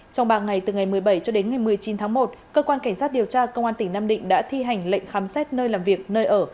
trong ba ngày từ ngày một mươi bảy cho đến ngày một mươi chín tháng một cơ quan cảnh sát điều tra công an tỉnh nam định đã thi hành lệnh khám xét nơi làm việc nơi ở